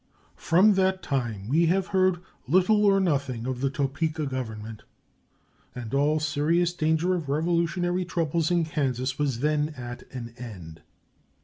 From that time we have heard little or nothing of the Topeka government, and all serious danger of revolutionary troubles in Kansas was then at an end.